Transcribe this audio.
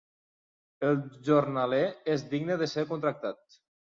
El jornaler és digne de ser contractat.